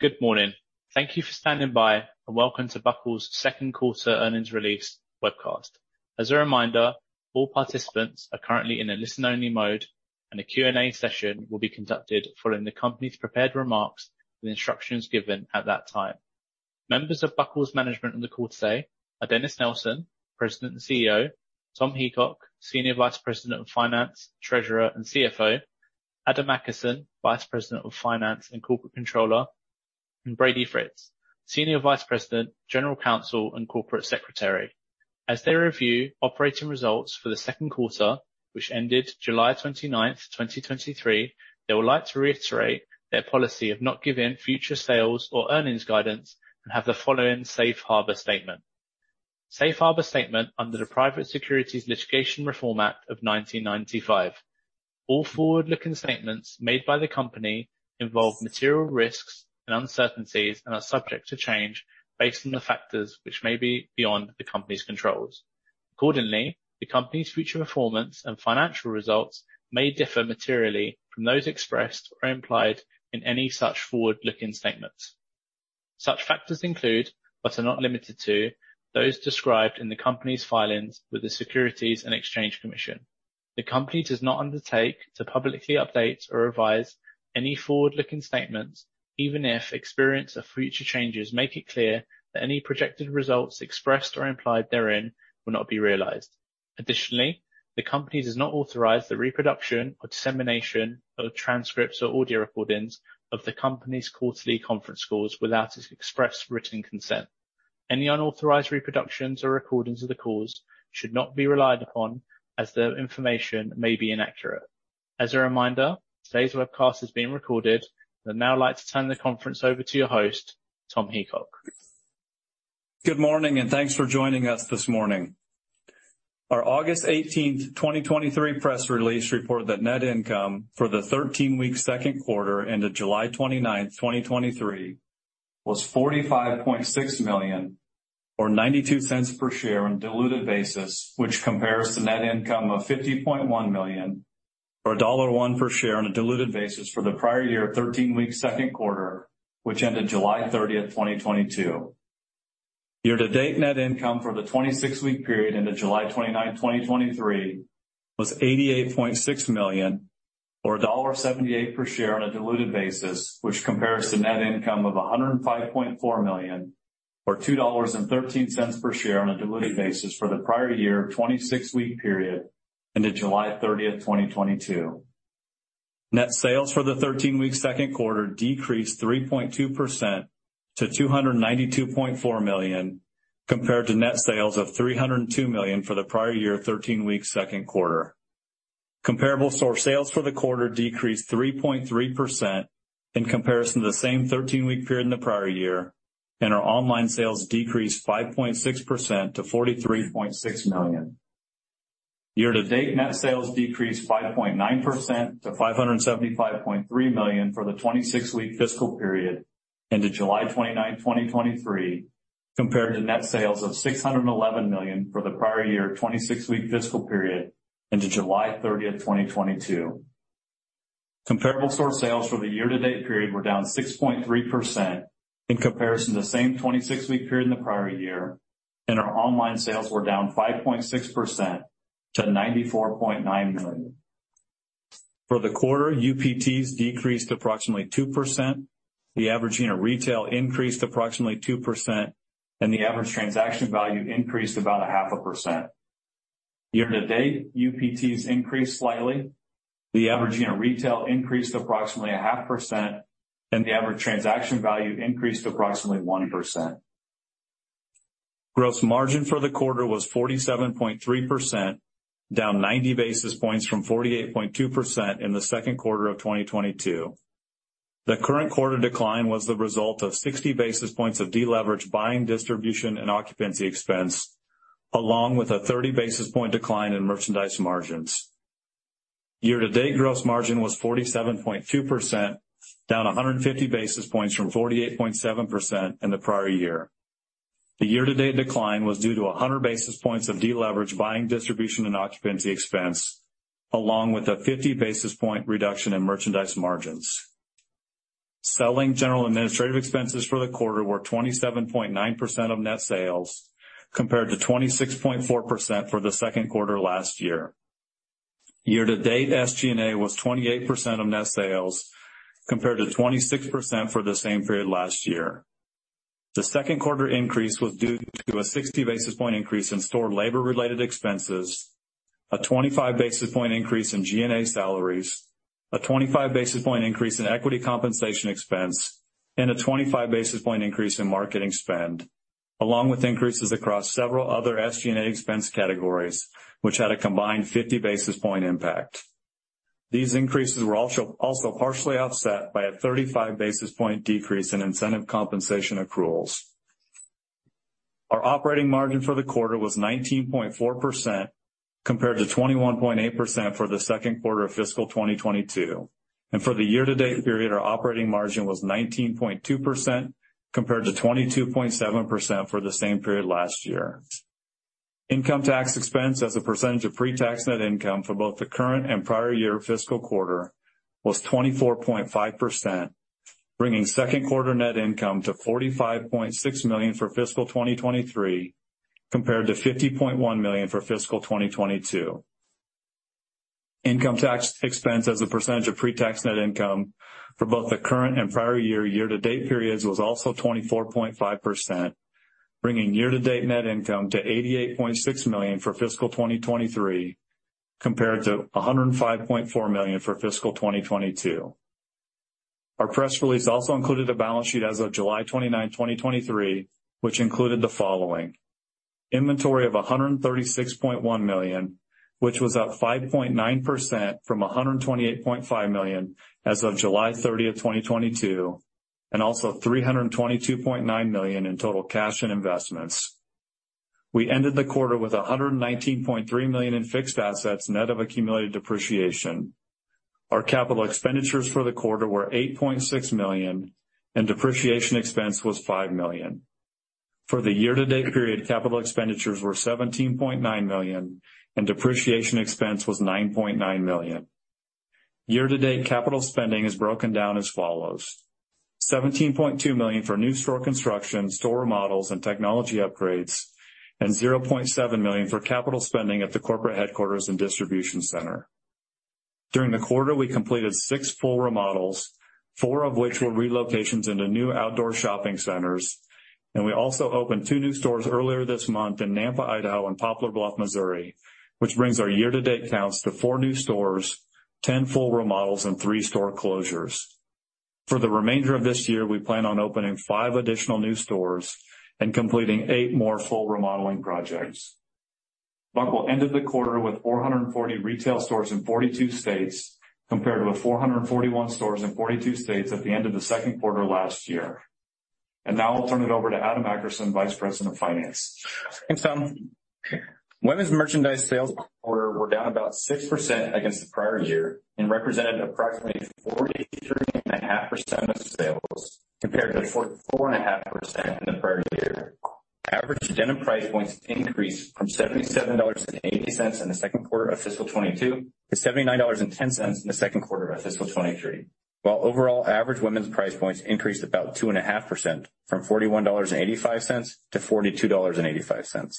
Good morning. Thank you for standing by, and welcome to Buckle's second quarter Earnings Release Webcast. As a reminder, all participants are currently in a listen-only mode, and a Q&A session will be conducted following the company's prepared remarks and the instructions given at that time. Members of Buckle's management on the call today are Dennis Nelson, President and CEO; Tom Heacock, Senior Vice President of Finance, Treasurer, and CFO; Adam Akerson, Vice President of Finance and Corporate Controller; and Brady Fritz, Senior Vice President, General Counsel, and Corporate Secretary. As they review operating results for the second quarter, which ended July 29, 2023, they would like to reiterate their policy of not giving future sales or earnings guidance and have the following safe harbor statement. Safe harbor statement under the Private Securities Litigation Reform Act of 1995. All forward-looking statements made by the company involve material risks and uncertainties and are subject to change based on the factors which may be beyond the company's controls. Accordingly, the company's future performance and financial results may differ materially from those expressed or implied in any such forward-looking statements. Such factors include, but are not limited to, those described in the company's filings with the Securities and Exchange Commission. The company does not undertake to publicly update or revise any forward-looking statements, even if experience or future changes make it clear that any projected results expressed or implied therein will not be realized. Additionally, the company does not authorize the reproduction or dissemination of transcripts or audio recordings of the company's quarterly conference calls without its express written consent. Any unauthorized reproductions or recordings of the calls should not be relied upon, as the information may be inaccurate. As a reminder, today's webcast is being recorded. I'd now like to turn the conference over to your host, Tom Heacock. Good morning, and thanks for joining us this morning. Our August 18, 2023, press release reported that net income for the 13-week second quarter ended July 29, 2023, was $45.6 million, or $0.92 per share on a diluted basis, which compares to net income of $50.1 million, or $1.01 per share on a diluted basis for the prior year, 13-week second quarter, which ended July 30, 2022. Year-to-date net income for the 26-week period ended July 29, 2023, was $88.6 million or $1.78 per share on a diluted basis, which compares to net income of $105.4 million or $2.13 per share on a diluted basis for the prior year, 26-week period ended July 30, 2022. Net sales for the 13-week second quarter decreased 3.2% to $292.4 million, compared to net sales of $302 million for the prior year, 13-week second quarter. Comparable store sales for the quarter decreased 3.3% in comparison to the same 13-week period in the prior year, and our online sales decreased 5.6% to $43.6 million. Year-to-date net sales decreased 5.9% to $575.3 million for the 26-week fiscal period ended July 29, 2023, compared to net sales of $611 million for the prior year, 26-week fiscal period ended July 30, 2022. Comparable store sales for the year-to-date period were down 6.3% in comparison to the same 26-week period in the prior year, and our online sales were down 5.6% to $94.9 million. For the quarter, UPTs decreased approximately 2%. The average unit retail increased approximately 2%, and the average transaction value increased about 0.5%. Year-to-date UPTs increased slightly. The average unit retail increased approximately 0.5%, and the average transaction value increased approximately 1%. Gross margin for the quarter was 47.3%, down 90 basis points from 48.2% in the second quarter of 2022. The current quarter decline was the result of 60 basis points of deleveraged buying, distribution, and occupancy expense, along with a 30 basis point decline in merchandise margins. Year-to-date gross margin was 47.2%, down 150 basis points from 48.7% in the prior year. The year-to-date decline was due to 100 basis points of deleverage, buying, distribution, and occupancy expense, along with a 50 basis point reduction in merchandise margins. Selling, General and Administrative expenses for the quarter were 27.9% of net sales, compared to 26.4% for the second quarter last year. Year-to-date, SG&A was 28% of net sales, compared to 26% for the same period last year. The second quarter increase was due to a 60 basis point increase in store labor related expenses, a 25 basis point increase in G&A salaries, a 25 basis point increase in equity compensation expense, and a 25 basis point increase in marketing spend, along with increases across several other SG&A expense categories, which had a combined 50 basis point impact. These increases were also partially offset by a 35 basis point decrease in incentive compensation accruals. Our operating margin for the quarter was 19.4%, compared to 21.8% for the second quarter of fiscal 2022. For the year-to-date period, our operating margin was 19.2%, compared to 22.7% for the same period last year. Income tax expense as a percentage of pre-tax net income for both the current and prior year fiscal quarter was 24.5%, bringing second quarter net income to $45.6 million for fiscal 2023, compared to $50.1 million for fiscal 2022. Income tax expense as a percentage of pre-tax net income for both the current and prior year, year-to-date periods was also 24.5%, bringing year-to-date net income to $88.6 million for fiscal 2023, compared to $105.4 million for fiscal 2022. Our press release also included a balance sheet as of July 29, 2023, which included the following: inventory of $136.1 million, which was up 5.9% from $128.5 million as of July 30, 2022, and also $322.9 million in total cash and investments. We ended the quarter with $119.3 million in fixed assets, net of accumulated depreciation. Our capital expenditures for the quarter were $8.6 million, and depreciation expense was $5 million. For the year-to-date period, capital expenditures were $17.9 million, and depreciation expense was $9.9 million. Year-to-date capital spending is broken down as follows: $17.2 million for new store construction, store remodels, and technology upgrades, and $0.7 million for capital spending at the corporate headquarters and distribution center. During the quarter, we completed six full remodels, four of which were relocations into new outdoor shopping centers, and we also opened two new stores earlier this month in Nampa, Idaho, and Poplar Bluff, Missouri, which brings our year-to-date counts to four new stores, 10 full remodels, and three store closures. For the remainder of this year, we plan on opening five additional new stores and completing 8 more full remodeling projects. Buckle ended the quarter with 440 retail stores in 42 states, compared to the 441 stores in 42 states at the end of the second quarter last year. Now I'll turn it over to Adam Akerson, Vice President of Finance. Thanks, Tom. Women's merchandise sales quarter were down about 6% against the prior year and represented approximately 43.5% of sales, compared to 44.5% in the prior year. Average denim price points increased from $77.80 in the second quarter of fiscal 2022 to $79.10 in the second quarter of fiscal 2023. While overall average women's price points increased about 2.5% from $41.85 to $42.85.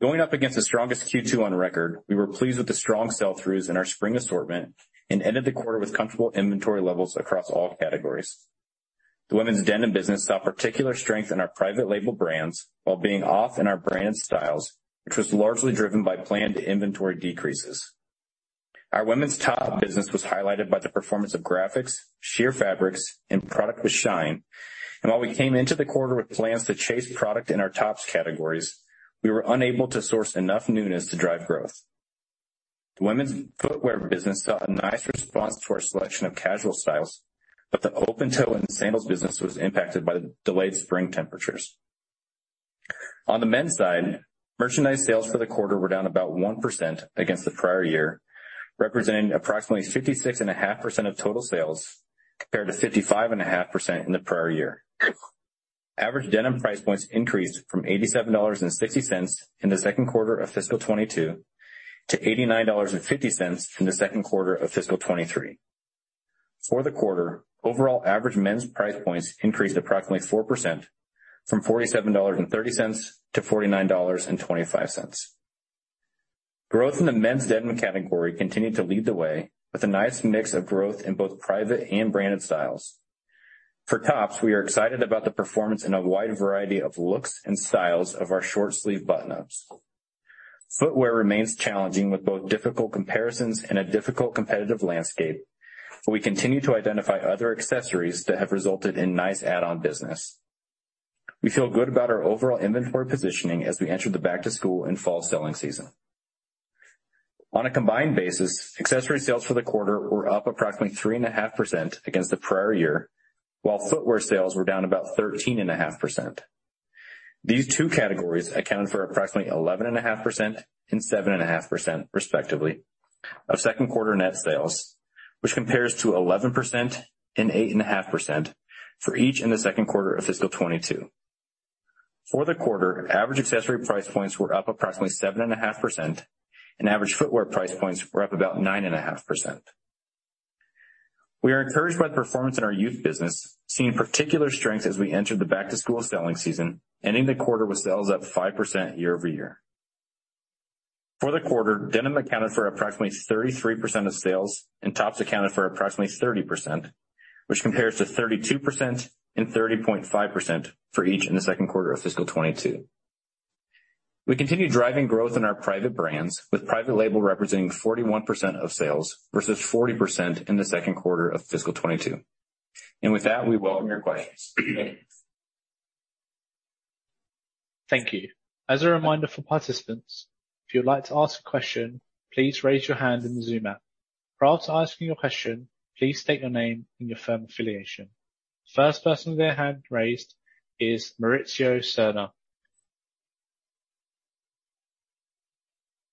Going up against the strongest Q2 on record, we were pleased with the strong sell-throughs in our spring assortment and ended the quarter with comfortable inventory levels across all categories. The women's denim business saw particular strength in our private label brands while being off in our brand styles, which was largely driven by planned inventory decreases. Our women's top business was highlighted by the performance of graphics, sheer fabrics, and product with shine. While we came into the quarter with plans to chase product in our tops categories, we were unable to source enough newness to drive growth. Women's footwear business saw a nice response to our selection of casual styles, but the open-toe and sandals business was impacted by the delayed spring temperatures. On the men's side, merchandise sales for the quarter were down about 1% against the prior year, representing approximately 56.5% of total sales, compared to 55.5% in the prior year. Average denim price points increased from $87.60 in the second quarter of fiscal 2022 to $89.50 in the second quarter of fiscal 2023. For the quarter, overall average men's price points increased approximately 4% from $47.30-$49.25. Growth in the men's denim category continued to lead the way with a nice mix of growth in both private and branded styles. For tops, we are excited about the performance in a wide variety of looks and styles of our short sleeve button-ups. Footwear remains challenging with both difficult comparisons and a difficult competitive landscape, but we continue to identify other accessories that have resulted in nice add-on business. We feel good about our overall inventory positioning as we enter the back to school and fall selling season. On a combined basis, accessory sales for the quarter were up approximately 3.5% against the prior year, while footwear sales were down about 13.5%. These two categories accounted for approximately 11.5% and 7.5%, respectively, of second quarter net sales, which compares to 11% and 8.5% for each in the second quarter of fiscal 2022. For the quarter, average accessory price points were up approximately 7.5%, and average footwear price points were up about 9.5%. We are encouraged by the performance in our youth business, seeing particular strengths as we entered the back-to-school selling season, ending the quarter with sales up 5% year-over-year. For the quarter, denim accounted for approximately 33% of sales, and tops accounted for approximately 30%, which compares to 32% and 30.5% for each in the second quarter of fiscal 2022. We continue driving growth in our private brands, with private label representing 41% of sales versus 40% in the second quarter of fiscal 2022. With that, we welcome your questions. Thank you. As a reminder for participants, if you'd like to ask a question, please raise your hand in the Zoom app. Prior to asking your question, please state your name and your firm affiliation. First person with their hand raised is Mauricio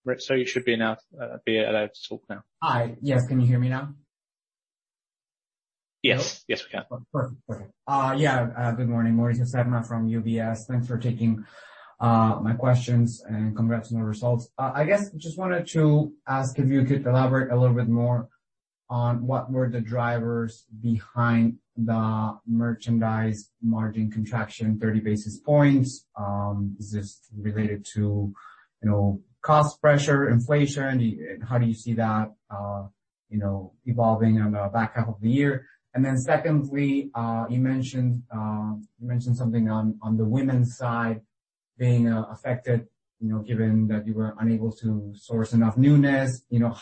Serna. Mauricio, you should be allowed to talk now. Hi. Yes, can you hear me now? Yes. Yes, we can. Perfect. Perfect. Good morning, Mauricio Serna from UBS. Thanks for taking my questions. Congrats on the results. I guess just wanted to ask if you could elaborate a little bit more on what were the drivers behind the merchandise margin contraction, 30 basis points. Is this related to, you know, cost pressure, inflation? How do you see that, you know, evolving on the back half of the year? Secondly, you mentioned, you mentioned something on the women's side being affected, you know, given that you were unable to source enough newness. You know,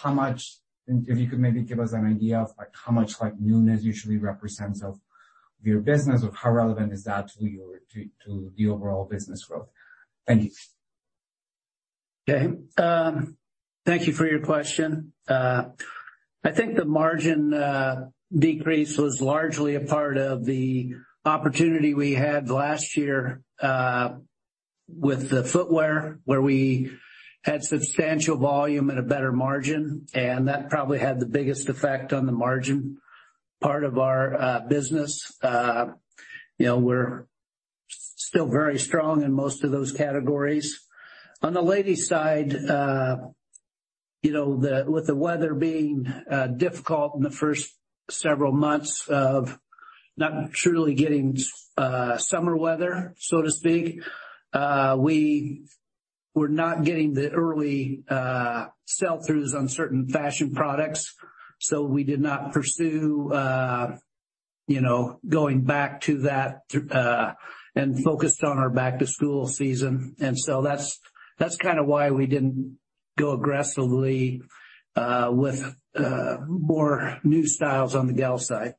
if you could maybe give us an idea of, like, how much, like, newness usually represents of your business, or how relevant is that to your, to, to the overall business growth? Thank you. Okay. thank you for your question. I think the margin decrease was largely a part of the opportunity we had last year with the footwear, where we had substantial volume and a better margin, and that probably had the biggest effect on the margin part of our business. you know, we're still very strong in most of those categories. On the ladies' side, you know, with the weather being difficult in the first several months of not truly getting summer weather, so to speak, we were not getting the early sell-throughs on certain fashion products, so we did not pursue, you know, going back to that, and focused on our back-to-school season. That's, that's kind of why we didn't go aggressively with more new styles on the gal side.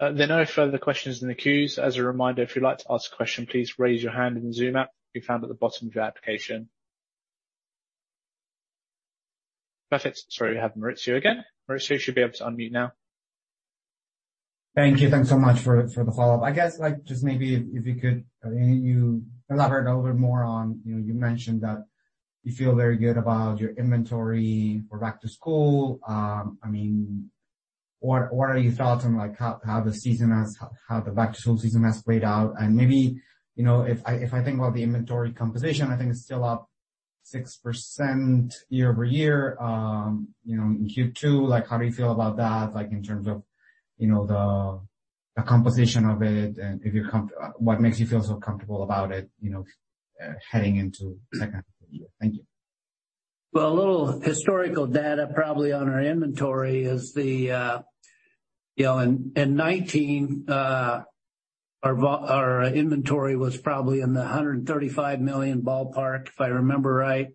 There are no further questions in the queues. As a reminder, if you'd like to ask a question, please raise your hand in the Zoom app. You'll find it at the bottom of your application. Perfect. We have Mauricio again. Mauricio, you should be able to unmute now. Thank you. Thanks so much for, for the follow-up. I guess, like, just maybe if, if you could, you elaborate a little bit more on. You know, you mentioned that you feel very good about your inventory for back to school. I mean, what, what are your thoughts on, like, how, how the season has, how the back-to-school season has played out? Maybe, you know, if I, if I think about the inventory composition, I think it's still up 6% year-over-year. You know, in Q2, like, how do you feel about that? Like, in terms of, you know, the, the composition of it, and if you're comf- what makes you feel so comfortable about it, you know, heading into second half of the year? Thank you. Well, a little historical data probably on our inventory is the, you know, in, in 2019, our inventory was probably in the $135 million ballpark, if I remember right,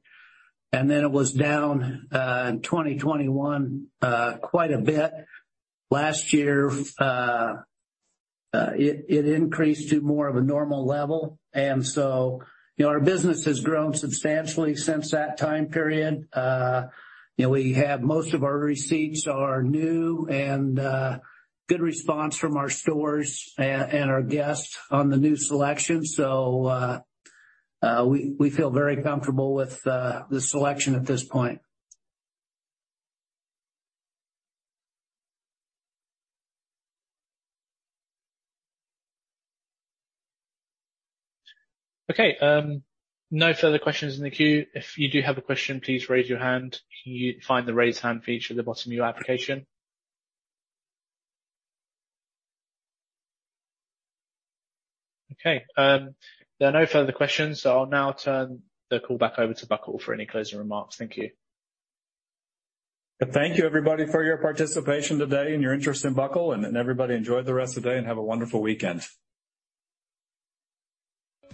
and then it was down in 2021, quite a bit. Last year, it increased to more of a normal level. You know, our business has grown substantially since that time period. You know, we have most of our receipts are new and good response from our stores and our guests on the new selection. We feel very comfortable with the selection at this point. Okay, no further questions in the queue. If you do have a question, please raise your hand. You'll find the Raise Hand feature at the bottom of your application. Okay, there are no further questions, so I'll now turn the call back over to Buckle for any closing remarks. Thank you. Thank you, everybody, for your participation today and your interest in Buckle, and everybody enjoy the rest of the day and have a wonderful weekend.